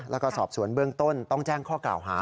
แล้วก็สอบสวนเบื้องต้นต้องแจ้งข้อกล่าวหา